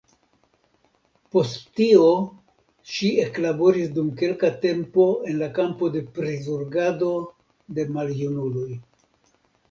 Post tio ŝi eklaboris dum kelka tempo en la kampo de prizorgado de maljunuloj.